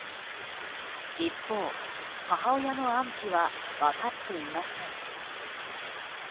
一方、母親の安否は分かっていません。